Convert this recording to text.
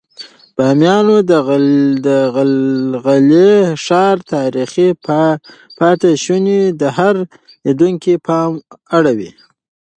د بامیانو د غلغلي ښار تاریخي پاتې شونې د هر لیدونکي پام اړوي.